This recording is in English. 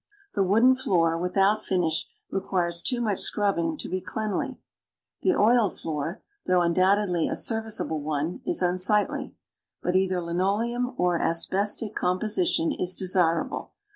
The wooden floor with out finish requires too much scrubbing to be cleanly, the oiled floor, though undoubtedly a serviceable one, is 'unsightly; but either li noleum or asbestic comi)osition is desirable.